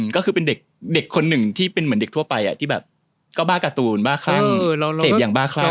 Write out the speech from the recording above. ก็คือเป็นเด็กคนหนึ่งที่เป็นเหมือนเด็กทั่วไปที่แบบก็บ้าการ์ตูนบ้าคลั่งเสพอย่างบ้าคลั่ง